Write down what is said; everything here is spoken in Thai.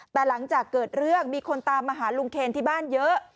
แต่หลังจากเกิดเรื่องมีคนตามมาหาลุงเคนที่บ้านเยอะ